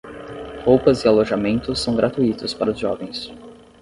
Roupas e alojamentos são gratuitos para os jovens.